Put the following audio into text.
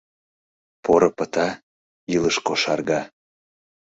Поро пыта — илыш кошарга